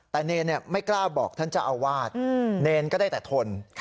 แต่เนรไม่กล้าบอกท่านเจ้าอาวาสเนรก็ได้แต่ทน